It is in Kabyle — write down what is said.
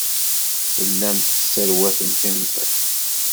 Tellamt tesserwatemt timẓin.